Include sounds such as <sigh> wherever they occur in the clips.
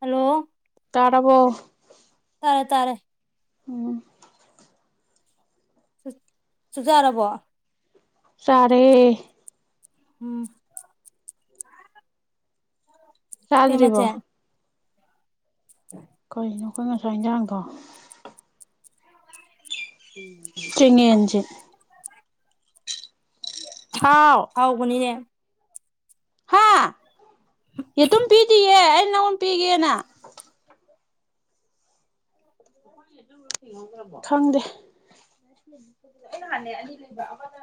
Hello ꯇꯥꯔꯕꯣ ꯇꯥꯔꯦ ꯇꯥꯔꯦ ꯎꯝ ꯁ ꯆꯨ ꯆꯥꯔꯕꯣ ꯆꯥꯔꯦ ꯎꯝ ꯀꯩ ꯁꯥꯗꯔꯤ ꯕꯣ ꯃꯊꯦꯜ ꯀꯩꯏꯅꯣ ꯑꯩꯈꯣꯏ ꯉꯥꯁꯥꯏ ꯏꯟꯖꯥꯡꯗꯣ ꯆꯦꯡꯌꯦꯡꯖꯤ ꯍꯥꯎ ꯍꯥꯎꯕꯅꯤꯅꯦ꯫ ꯍꯥ ꯌꯦꯇꯨꯝ ꯄꯤꯗꯤꯌꯦ ꯑꯩ ꯅꯪꯉꯣꯟꯗ ꯄꯤꯒꯦꯅ꯫ ꯈꯪꯗꯦ ꯑꯩ ꯉꯍꯥꯟꯅꯦ ꯑꯅꯤ ꯂꯩꯕ ꯑꯃꯅ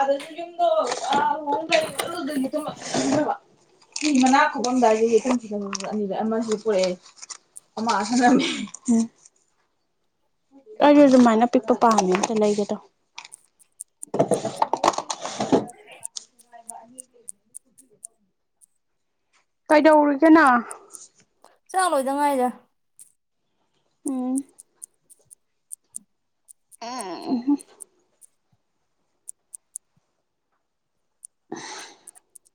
ꯑꯗꯁꯨ ꯌꯨꯝꯗꯣ ꯑ <unintelligible> ꯃꯅꯥꯛ ꯈꯨꯐꯝꯗꯥꯏꯁꯦ ꯌꯦꯇꯨꯝ ꯊꯤꯕ ꯈꯪꯗꯕ ꯑꯅꯤꯖꯦ ꯑꯃꯖꯦ ꯄꯨꯔꯛꯑꯦ ꯑꯃ <unintelligible> ꯑꯩ ꯑꯗꯨꯃꯥꯏꯅ ꯄꯤꯛꯄ ꯄꯥꯝ ꯑꯝꯇ ꯂꯩꯒꯗꯣ꯫ <unintelligible> ꯑꯅꯤꯒꯤ ꯀꯩꯗꯧꯔꯤꯒꯦꯅꯪ ꯆꯥ ꯂꯣꯏꯗꯉꯥꯏꯔꯤꯗ꯫ ꯎꯝ꯫ <unintelligible> <unintelligible>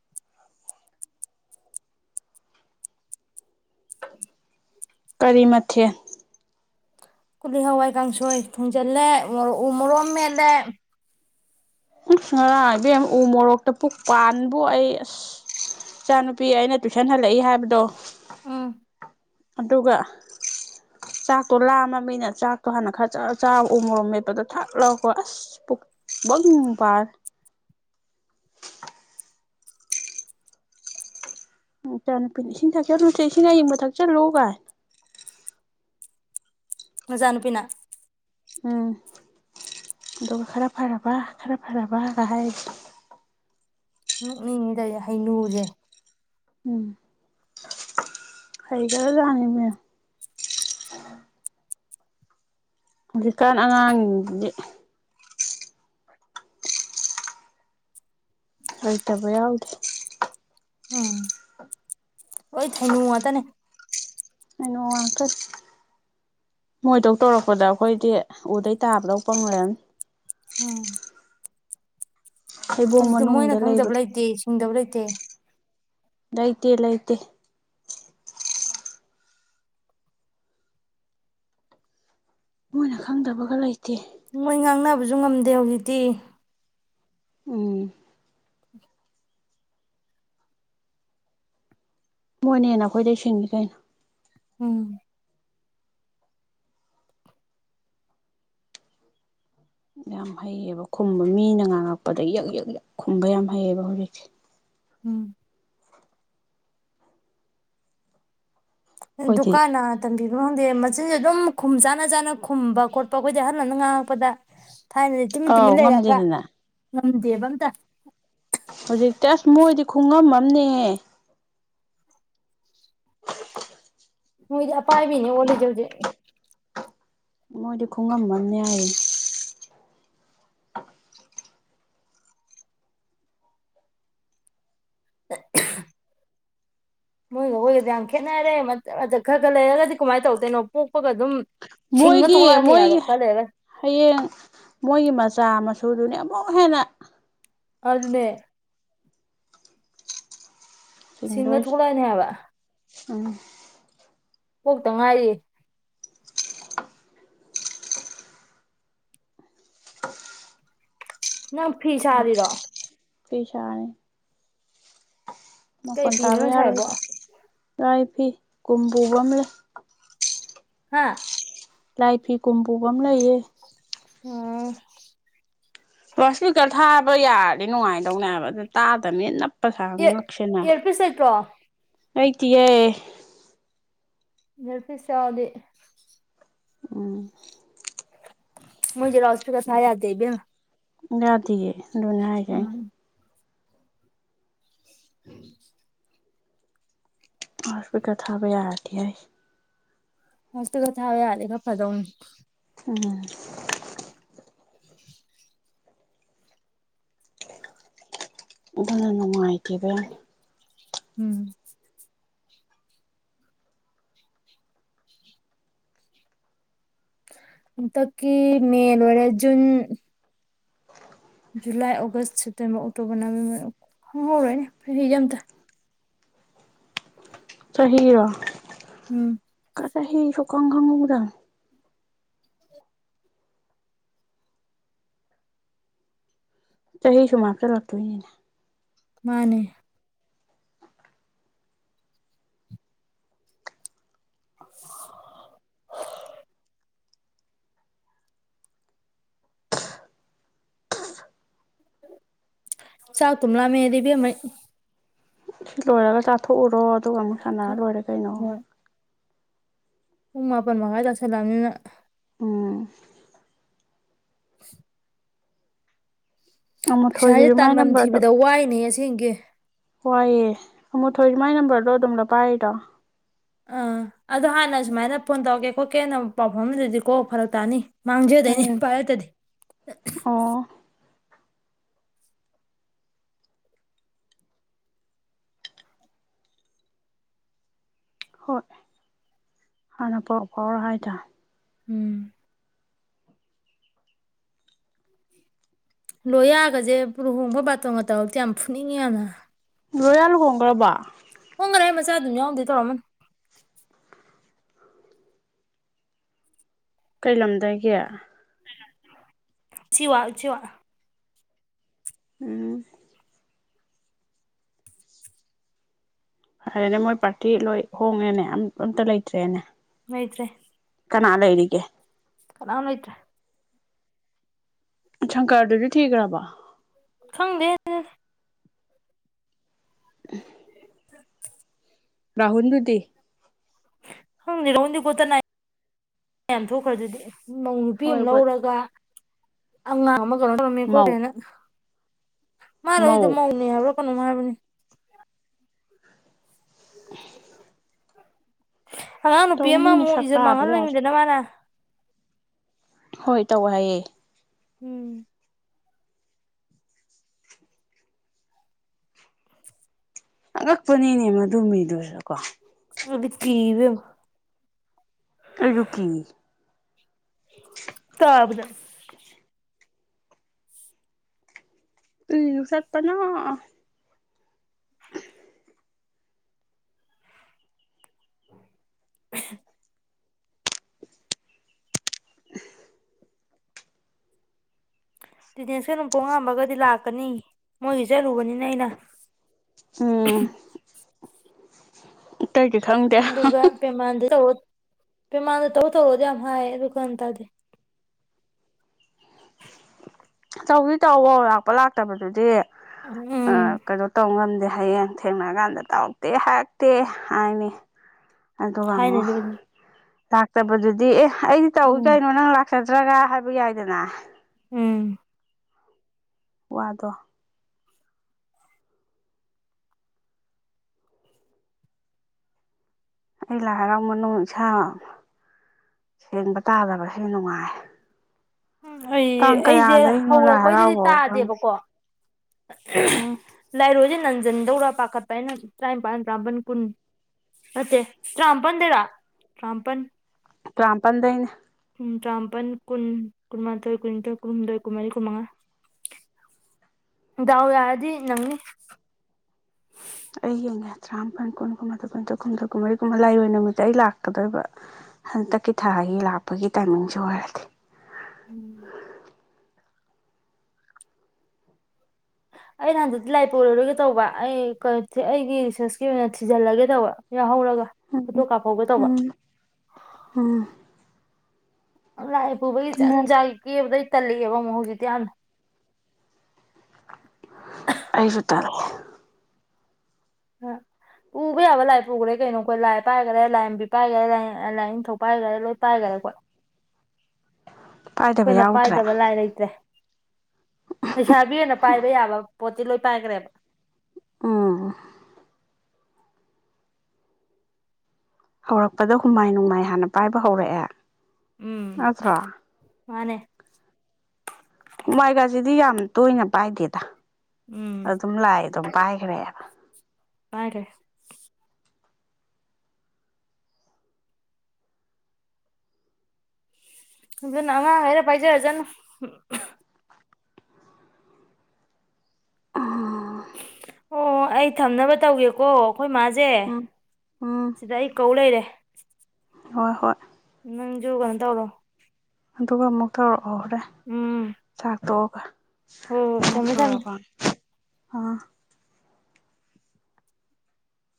ꯀꯔꯤ ꯃꯊꯦꯜ ꯀꯨꯂꯤ ꯍꯋꯥꯏ ꯀꯥꯡꯁꯣꯏ ꯊꯨꯡꯖꯤꯜꯂꯦ ꯎ ꯃꯣꯔꯣ ꯑꯃ ꯃꯦꯠꯂꯦ꯫ ꯉꯔꯥꯡ ꯏꯕꯦꯝꯃ ꯎ ꯃꯣꯔꯣꯛꯇꯣ ꯄꯨꯛꯄꯥꯟꯕꯨ ꯑꯩ ꯑꯁ ꯏꯆꯥꯅꯨꯄꯤ ꯑꯩꯅ ꯇꯨꯏꯁꯟ ꯍꯜꯂꯛꯏ ꯍꯥꯏꯕꯗꯣ ꯎꯝ ꯑꯗꯨꯒ ꯆꯥꯛꯇꯣ ꯂꯥꯝꯃꯃꯤꯅ ꯆꯥꯛꯇꯣ ꯍꯥꯟꯅ ꯈꯔ ꯆ ꯆꯥꯔ ꯎꯃꯣꯔꯣꯛ ꯃꯦꯠꯄꯗꯣ ꯊꯛꯂꯥꯎ ꯍꯨ ꯑꯁ ꯄꯨꯛꯕꯪ ꯄꯥꯜꯂꯦ꯫ ꯏꯆꯥꯅꯨꯄꯤꯅ ꯏꯁꯤꯡ ꯊꯛꯆꯜꯂꯨꯁꯦ ꯏꯁꯤꯡ ꯑꯌꯤꯡꯕ ꯊꯛꯆꯜꯂꯨ ꯒꯥꯏ꯫ ꯅꯆꯥꯅꯨꯄꯤꯅ ꯎꯝ ꯑꯗꯨꯒ ꯈꯔ ꯐꯔꯕ ꯈꯔ ꯐꯔꯕꯒ ꯍꯥꯏꯔꯤ꯫ ꯅꯣꯛꯅꯤꯡꯉꯤꯗ ꯍꯩꯅꯨꯖꯦ꯫ ꯎꯝ꯫ ꯑꯩꯒꯔꯖꯥꯅꯤꯃꯦ꯫ ꯍꯧꯖꯤꯛꯀꯥꯟ ꯑꯉꯥꯡꯖꯤꯡꯖꯤꯗꯤ ꯍꯩꯇꯕ ꯌꯥꯎꯗꯦ꯫ ꯎꯝ ꯂꯣꯏ ꯊꯩꯅꯨ ꯉꯥꯛꯇꯅꯦ꯫ <unintelligible> ꯃꯣꯏꯗꯧ ꯇꯧꯔꯛꯄꯗ ꯑꯩꯈꯣꯏꯗꯤ ꯎꯗꯩ ꯇꯥꯕꯗꯧ ꯄꯪꯂꯩꯔꯝꯅꯤ꯫ ꯎꯝ꯫ ꯍꯩꯕꯣꯡ ꯍꯧꯖꯤꯛꯇꯤ ꯃꯣꯏꯅ ꯃꯅꯨꯡꯗ ꯂꯩꯕ ꯈꯪꯗꯕ ꯂꯩꯇꯦ ꯁꯤꯡꯗꯕ ꯂꯩꯇꯦ꯫ ꯂꯩꯇꯦ ꯂꯩꯇꯦ꯫ ꯃꯣꯏꯅ ꯈꯪꯗꯕꯒ ꯂꯩꯇꯦ꯫ ꯃꯣꯏ ꯉꯥꯡꯅꯕꯁꯨ ꯉꯝꯗꯦ ꯍꯧꯖꯤꯛꯇꯤ꯫ ꯎꯝ꯫ ꯃꯣꯏꯅ ꯍꯦꯟꯅ ꯑꯩꯈꯣꯏꯗꯩ ꯁꯤꯡꯉꯦ ꯀꯩꯅꯣ꯫ ꯎꯝ꯫ ꯌꯥꯝ ꯍꯩꯌꯦꯕ ꯈꯨꯝꯕ ꯃꯤꯅ ꯉꯥꯡꯉꯛꯄꯗ ꯌꯛ ꯌꯛ ꯈꯨꯝꯕ ꯌꯥꯝ ꯍꯩꯑꯕ ꯍꯧꯖꯤꯛꯁꯦ꯫ ꯎꯝ꯫ ꯑꯩꯈꯣꯏꯗꯤ ꯗꯨꯀꯥꯟꯅ ꯇꯝꯕꯤ꯫ ꯃꯤꯉꯣꯟꯗꯩ ꯃꯆꯤꯟꯖꯦ ꯑꯗꯨꯝ ꯈꯨꯝ ꯆꯥꯅ ꯆꯥꯅ ꯈꯨꯝꯕ ꯈꯣꯠꯄ ꯑꯩꯈꯣꯏꯗꯤ ꯑꯍꯟ ꯑꯃꯅ ꯉꯥꯡꯉꯛꯄꯗ ꯊꯥꯏꯅꯗꯤ ꯇꯨꯃꯤꯟ ꯑꯥꯎ ꯇꯨꯃꯤꯟ ꯂꯩꯔꯛꯑꯒ ꯉꯝꯗꯦꯗꯅ ꯉꯝꯗꯦꯕ ꯑꯝꯇꯥ ꯍꯧꯖꯤꯛꯇ ꯑꯁ ꯃꯣꯏꯗꯤ ꯈꯨꯉꯝ ꯑꯃꯅꯤꯍꯦ꯫ ꯃꯣꯏꯗꯤ ꯄꯥꯏꯕꯤꯅꯤ ꯑꯣꯜꯂꯤꯖꯦꯜꯗꯤ ꯃꯣꯏꯗꯤ ꯈꯨꯡꯉꯝꯕꯅꯦ ꯍꯥꯏꯏꯌꯦ ꯃꯣꯏꯒ ꯍꯣꯏꯒꯗꯤ ꯌꯥꯝ ꯈꯦꯠꯅꯔꯦ ꯈꯔ- ꯈꯔ ꯂꯩꯔꯒꯗꯤ ꯀꯃꯥꯏꯅ ꯇꯧꯗꯣꯏꯅꯣ ꯄꯣꯛꯄꯒ ꯑꯗꯨꯝ ꯁꯤꯡꯉ ꯃꯣꯏꯒꯤ- ꯊꯣꯛꯂꯛꯑꯅꯤ ꯍꯥꯏꯕ ꯃꯣꯏꯒꯤ ꯈꯔ ꯂꯩꯔꯒ ꯍꯌꯦꯡ ꯃꯣꯏꯒꯤ ꯃꯆꯥ ꯃꯁ ꯁꯨꯗꯨꯅꯦ ꯑꯃꯨꯛ ꯍꯦꯟꯅ ꯑꯗꯨꯅꯦ ꯁꯤꯡꯉ ꯆꯤꯡꯗꯣꯏꯁꯦ ꯊꯣꯛꯂꯛꯑꯅꯤ ꯍꯥꯏꯕ ꯎꯝ ꯄꯣꯛꯇ ꯉꯥꯏꯔꯤ ꯅꯪ ꯐꯤ ꯁꯥꯔꯤꯔꯣ ꯐꯤ ꯁꯥꯔꯤ ꯀꯩ ꯐꯤꯅꯣ ꯅꯪ ꯁꯥꯏꯕꯣ ꯔꯥꯏ ꯐꯤ ꯀꯨꯝꯕꯨꯒꯝꯂꯦ ꯍꯥꯥ ꯂꯥꯏꯐꯤ ꯀꯣꯝꯕꯣꯒꯝꯂꯦ ꯌꯦ ꯑꯝ ꯂꯥꯎꯏ꯭ꯁꯄꯤꯀꯔ ꯊꯥꯕ ꯌꯥꯔꯗꯤ ꯅꯨꯡꯉꯥꯏꯗꯧꯅꯦꯕ ꯑꯗꯨ ꯇꯥꯗꯕꯅꯤꯅ ꯅꯞ ꯑꯦ- ꯑꯦꯔꯄꯤꯁ ꯂꯩꯇ꯭ꯔꯣ ꯂꯩꯇꯤꯌꯦ ꯌꯔꯄꯤꯁ ꯌꯥꯎꯔꯗꯤ ꯎꯝ ꯃꯣꯢꯖꯤ ꯂꯥꯎꯁ꯭ꯄꯤꯀ꯭ꯔ ꯊꯥ ꯌꯥꯗꯦ ꯏꯕꯦꯝꯃ ꯌꯥꯗꯤꯌꯦ ꯑꯗꯨꯅꯦ ꯍꯥꯏꯖꯦ ꯎꯝ ꯎꯝ ꯂꯥꯎꯠ ꯁ꯭ꯄꯤꯀꯔ ꯊꯥꯕ ꯌꯥꯗꯤꯌꯦ ꯂꯥꯎꯠ ꯁ꯭ꯄꯤꯀ꯭ꯔ ꯊꯥ ꯌꯥꯔꯗꯤ ꯈꯔ ꯐꯗꯩꯅꯦ ꯎꯝ <inaudible> ꯕꯨꯊꯟꯅ ꯅꯨꯡꯉꯥꯏ ꯊꯦꯕꯦꯟ ꯎꯝ ꯑꯟꯇꯀꯤ ꯃꯦ ꯂꯣꯏꯔꯦ June July August September October November ꯈꯪꯍꯎꯔꯣꯏꯅꯦ ꯆꯍꯤꯖꯦ ꯑꯝꯇ ꯆꯍꯤꯔꯣ ꯎꯝ ꯆꯍꯤ ꯁꯨꯈꯪ ꯈꯪꯗꯝ ꯆꯍꯤ ꯁꯨꯝ ꯍꯥꯞꯆꯤꯂꯛꯇꯣꯏꯅꯤꯅꯦ ꯃꯥꯅꯦ <inaudible> ꯆꯥꯛꯇꯨꯝ ꯂꯥꯝꯃꯛꯑꯦꯗ ꯏꯕꯦꯝꯃ ꯑꯩ ꯁꯤ ꯂꯣꯏꯔꯒ ꯆꯥꯊꯣꯛꯎꯔꯣ ꯑꯗꯨꯒ ꯑꯃꯨꯛ ꯁꯥꯟꯅꯔ ꯂꯣꯏꯔꯦ ꯀꯩꯅꯣ ꯍꯣꯏ ꯄꯨꯡ ꯃꯥꯄꯟ ꯃꯈꯥꯏ ꯇꯥꯁꯜꯂꯛꯑꯕꯅꯤꯅ ꯎꯝ <inaudible> ꯄꯩꯁꯥꯁꯦ ꯑꯃꯨꯊꯣꯏꯒꯤꯁꯨ ꯃꯥꯏ ꯇꯥꯟꯐꯝ ꯅꯝꯕꯔꯗꯣ ꯊꯤꯕꯗ ꯋꯥꯏꯅꯦ ꯑꯁꯦꯡꯒꯤ ꯋꯥꯏꯑꯦ ꯑꯃꯣ ꯊꯣꯏꯁ ꯃꯥꯏ ꯅꯝꯕꯔꯗꯣ ꯑꯗꯨꯝ ꯂꫭ ꯄꯥꯏꯔꯤꯔꯣ ꯑꯥ ꯑꯗꯣ ꯍꯥꯟꯅ ꯁꯨꯃꯥꯏꯅ ꯐꯣꯟ ꯇꯧꯒꯦ ꯍꯣꯏ ꯀꯦꯟꯅ ꯄꯥꯎꯐꯝꯗꯨꯗꯤꯀꯣ ꯐꯔꯛ ꯇꯥꯅꯤ ꯃꯥꯡꯖꯗꯣꯏꯅꯦ ꯎꯝ ꯄꯔꯠꯇꯗꯤ ꯑꯣ ꯍꯣꯏ ꯍꯥꯟꯅ ꯄꯥꯎ ꯐꯥꯎꯔ ꯍꯥꯏꯗꯔꯦ ꯎꯝ ꯂꯣꯏꯌꯥꯒꯁꯦ ꯂꯨꯍꯣꯡꯕ ꯕꯥꯇꯣꯟꯒꯇꯥꯎꯁꯦ ꯌꯥꯝ ꯐꯨꯅꯤꯡꯉꯦ ꯌꯥꯝꯅ ꯂꯣꯌꯥ ꯍꯣꯡꯈ꯭ꯔꯕ ꯍꯣꯡꯒꯔꯦ ꯃꯆꯥ ꯑꯗꯨꯝ ꯌꯥꯎꯔꯦ ꯇꯧꯔꯝꯃꯟ ꯀꯩ ꯂꯝꯗꯥꯒꯦ ꯎꯆꯤꯋꯥ ꯎꯆꯤꯋꯥ ꯎꯝ ꯐꯔꯦꯅꯦ ꯃꯣꯏ ꯄꯥꯔꯇꯤ ꯂꯣꯏ ꯍꯣꯡꯉꯦꯅꯦ ꯑ ꯑꯝꯇ ꯂꯩꯇ꯭ꯔꯦꯅꯦ ꯂꯩꯗ꯭ꯔꯦ ꯀꯅꯥ ꯂꯩꯔꯤꯒꯦ ꯀꯅꯥꯝ ꯂꯩꯇ꯭ꯔꯦ ꯁꯪꯀꯔꯗꯨꯗꯤ ꯊꯤꯈ꯭ꯔꯕꯣ ꯈꯪꯗꯦ <inaudible> ꯔꯍꯨꯟꯗꯨꯗꯤ ꯈꯪꯗꯦ ꯔꯍꯨꯜ ꯒꯣꯇꯅ ꯌꯥꯝ ꯊꯣꯛꯈ꯭ꯔ ꯑꯗꯨꯗꯤ ꯃꯧ ꯅꯨꯄꯤ ꯍꯣꯏ ꯑꯃ ꯕꯣꯠ ꯂꯧꯔꯒ ꯑꯉꯥ ꯃꯧ ꯑꯃ <unintelligible> ꯃꯥꯅ ꯃꯧ ꯑꯩꯗꯣ ꯃꯧꯅꯦ ꯍꯥꯏꯕ꯭ꯔꯥ ꯀꯩꯅꯣꯝ ꯍꯥꯏꯕꯅꯤ ꯑꯉꯥꯡ ꯅꯨꯄꯤ ꯑꯃꯥ ꯇꯧꯅꯤꯅꯦ ꯑꯃꯨꯛ ꯏꯖꯤꯠ ꯁꯛꯇꯥꯗꯣ ꯌꯥꯔꯦ ꯃꯥꯡꯍꯜꯂꯃꯤꯗꯅ ꯃꯥꯅꯥ ꯍꯣꯏ ꯇꯧꯋꯦ ꯍꯥꯏꯌꯦ ꯎꯝ ꯑꯉꯥꯛꯄꯅꯤꯅꯦ ꯃꯗꯨ ꯃꯤꯗꯨꯁꯨ ꯀꯣ ꯑꯩꯗꯤ ꯀꯤ ꯏꯕꯦꯝꯃ ꯑꯩꯁꯨ ꯀꯤ ꯇꯥꯕꯗ ꯎꯝ ꯁꯠꯄꯅ <inaudible> ꯗꯤꯅꯦꯟꯁꯀ ꯅꯣꯡꯄꯣꯡꯉꯥꯟꯕꯒꯗꯤ ꯂꯥꯛꯀꯅꯤ ꯃꯣꯏꯒꯤ ꯆꯠꯂꯨꯕꯅꯤꯅ ꯑꯩꯅ ꯎꯝ ꯑꯇꯩꯗꯤ ꯈꯪꯗꯦ ꯑꯗꯨꯒꯥ ꯄꯦꯃꯥꯟꯗ ꯇꯧꯔꯣꯏ ꯄꯦꯃꯥꯟꯗ ꯇꯧ ꯇꯧꯋꯣꯗꯤ ꯌꯥꯝ ꯍꯥꯏ ꯑꯗꯣ ꯒꯌꯥꯟ ꯇꯥꯗꯦ꯫ ꯇꯧꯕꯗꯤ ꯇꯧꯋꯣ ꯂꯥꯛꯄ ꯂꯥꯛꯇꯕꯗꯨꯗꯤ ꯎꯝ ꯑꯥ ꯀꯩꯅꯣ ꯇꯧ ꯉꯝꯗꯦ ꯍꯌꯦꯡ ꯊꯦꯡꯅꯔꯀꯥꯟꯗ ꯇꯧꯔꯛꯇꯦ ꯍꯥꯏꯔꯛꯇꯦ ꯍꯥꯏꯅꯤ ꯑꯗꯨ ꯑꯃꯨꯛ ꯍꯥꯏꯅꯗꯤ ꯇꯥꯛꯇꯕꯗꯨꯗꯤ ꯑꯦ ꯑꯩꯗꯤ ꯇꯧꯏ ꯎꯝ ꯀꯩꯅꯣ ꯅꯪ ꯂꯥꯛꯆꯒꯦ ꯅꯠꯇ꯭ꯔꯒ ꯍꯥꯏꯕ ꯌꯥꯏꯗꯅ ꯎꯝ ꯋꯥꯗꯣ ꯑꯩ ꯂꯥꯏ ꯍꯔꯥꯎ ꯃꯅꯨꯡ ꯏꯁꯥ ꯁꯦꯡꯕ ꯇꯥꯗꯕꯁꯨ ꯅꯨꯡꯉꯥꯏ ꯎꯝ ꯑꯩ ꯇꯥꯡ ꯑꯩꯖꯦ ꯀꯌꯥꯗꯩꯅꯣ ꯂꯥꯏ ꯍꯧꯔꯛꯄꯩꯗꯗꯤ ꯍꯔꯥꯎꯕꯕꯨ ꯈꯪꯗꯦ ꯇꯥꯗꯦꯕꯀꯣ ꯎꯝ ꯂꯥꯏꯔꯣꯏꯁꯦ ꯅꯟ ꯆꯟꯗꯧꯔꯥ ꯄꯥꯈꯠꯄ ꯑꯩꯅ ꯇꯔꯥꯅꯤꯄꯜ ꯇꯔꯥꯃꯥꯄꯜ ꯀꯨꯟ ꯅꯠꯇꯦ ꯇꯔꯥꯃꯥꯄꯜꯗꯩꯔꯥ ꯇꯔꯥꯃꯥꯄꯜ ꯇꯔꯥꯃꯄꯥꯟꯗꯩꯅ ꯀꯨꯟ ꯇ꯭ꯔꯥꯃꯄꯟ ꯀꯨꯟ ꯀꯨꯟꯃꯥꯊꯣꯏ ꯀꯨꯟꯅꯤꯊꯣꯏ ꯀꯨꯟꯍꯨꯝꯗꯣꯏ ꯀꯨꯟꯃꯔꯤ ꯀꯨꯟꯃꯉꯥ ꯗꯥꯎ ꯌꯥꯔꯗꯤ ꯅꯪꯅꯤ ꯑꯩꯒꯤꯅꯦ ꯇꯔꯥꯃꯥꯄꯜ ꯀꯨꯟ ꯀꯨꯝꯟꯥꯊꯣꯏ ꯀꯨꯟꯊ꯭ꯔꯨ ꯍꯨꯝꯗ꯭ꯔ ꯀꯨꯟꯃꯔꯤꯒꯨꯝꯕ ꯂꯩꯔꯣꯏ ꯅꯨꯃꯤꯠꯇ ꯑꯩ ꯂꯥꯛꯀꯗꯣꯏꯕ ꯍꯟꯇꯛꯀꯤ ꯊꯥꯒꯤ ꯂꯥꯛꯄꯒꯤ ꯇꯥꯏꯃꯤꯡꯁꯨ ꯑꯣꯏꯔꯗꯤ ꯎꯝ ꯑꯩꯅ ꯍꯟꯗꯛꯇꯤ ꯂꯥꯏ ꯄꯨꯣꯛꯔꯔꯣꯏꯒꯦ ꯇꯧꯕ ꯑꯩꯩꯅ ꯑꯩꯒꯤ ꯔꯤꯁꯔꯁꯀꯤ ꯑꯣꯏꯅ ꯊꯤꯖꯤꯜꯂꯒꯦ ꯇꯧꯕ ꯌꯥꯎꯍꯧꯔꯒ ꯐꯣꯇꯣ ꯀꯥꯞꯍꯧꯒꯦ ꯎꯝ ꯇꯧꯕ ꯎꯝ ꯑꯝ <unintelligible> ꯄꯨꯕꯒꯤ ꯍꯟꯖꯟ ꯀꯕꯗꯩ ꯇꯜꯂꯤꯑꯩ ꯑꯃꯨꯛ ꯍꯧꯖꯤꯛ ꯌꯥꯝ ꯑꯩꯁꯨ ꯇꯜꯂꯤ ꯄꯨꯕ ꯌꯥꯕ ꯂꯥꯏ ꯄꯨꯈꯔꯦ ꯀꯩꯅꯣ ꯑꯩꯈꯣꯏ ꯂꯥꯏ ꯄꯥꯏꯈꯔꯦ ꯂꯥꯏꯔꯦꯝꯕꯤ ꯄꯥꯏꯈꯔꯦ ꯂꯥꯏꯅꯤꯡꯊꯧ ꯄꯥꯏꯈꯔꯦ ꯂꯣꯏ ꯄꯥꯏꯈꯔꯦꯈꯣꯏ ꯄꯥꯏꯗꯕ ꯑꯩꯈꯣꯏꯅ ꯌꯥꯎꯗ꯭ꯔꯦ ꯄꯥꯏꯗꯕ ꯂꯥꯏ ꯂꯩꯇ꯭ꯔꯦ ꯂꯩꯩꯁꯥꯕꯤ ꯑꯣꯏꯅ ꯄꯥꯏꯕ ꯌꯥꯕ ꯄꯣꯠꯇꯤ ꯂꯣꯏ ꯄꯥꯏꯈ꯭ꯔꯦꯕ ꯎꯟ ꯍꯧꯔꯛꯄꯗ ꯍꯨꯃꯥꯏ ꯅꯨꯡꯃꯥꯏ ꯍꯥꯟꯅ ꯄꯥꯏꯕ ꯍꯧꯔꯛꯑꯦ ꯎꯝ ꯅꯠꯇꯔꯥ ꯃꯥꯅꯦ ꯍꯨꯃꯥꯏꯒꯥꯁꯤꯗꯤ ꯌꯥꯝ ꯇꯣꯏꯅ ꯄꯥꯏꯗꯦꯗ ꯎꯝ ꯑꯗꯨꯝ ꯂꯥꯏ ꯑꯗꯨꯝ ꯄꯥꯏꯈ꯭ꯔꯦꯕꯥ ꯄꯥꯏꯒꯔꯦ ꯑꯘꯨꯅ ꯑꯉꯥꯡ ꯉꯩꯅ ꯄꯥꯏꯖꯔꯥꯁꯥꯅꯨ ꯑꯥ ꯑꯣ ꯑꯩ ꯊꯝꯅꯕ ꯇꯧꯒꯦꯀꯣ ꯑꯩꯈꯣꯏ ꯃꯥꯁꯦ ꯎꯝ ꯎꯝ ꯁꯤꯗ ꯑꯩ ꯀꯧ ꯂꯩꯔꯦ ꯍꯣꯏ ꯍꯣꯏ ꯅꯪꯁꯨꯨ ꯀꯩꯅꯣ ꯇꯧꯔꯣ ꯑꯗꯨꯒ ꯑꯃꯨꯛ ꯇꯧꯔꯛꯑꯣ ꯍꯣꯔꯦ ꯎꯝ ꯆꯥꯛ ꯘꯣꯒ ꯍꯣꯏ ꯍꯣꯏ ꯊꯝꯃꯦ ꯊꯝꯃꯦ ꯑꯥ